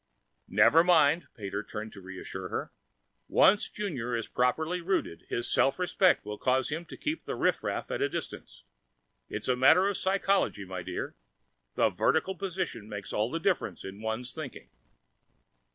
"Never mind." Pater turned to reassure her. "Once Junior is properly rooted, his self respect will cause him to keep riffraff at a distance. It's a matter of Psychology, my dear; the vertical position makes all the difference in one's thinking."